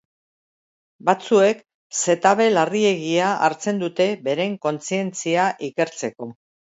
Batzuek zetabe larriegia hartzen dute beren kontzientzia ikertzeko.